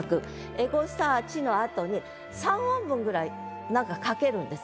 「エゴサーチ」のあとに３音分ぐらいなんか書けるんです。